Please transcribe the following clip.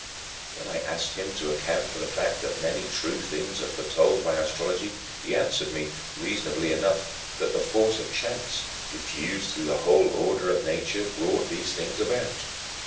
When I asked him to account for the fact that many true things are foretold by astrology, he answered me, reasonably enough, that the force of chance, diffused through the whole order of nature, brought these things about.